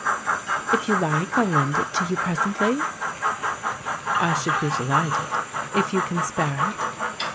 "If you like I'll lend it to you presently?" "I should be dehghted, if you can spare it?"